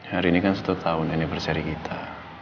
hari ini kan satu tahun anniversary kita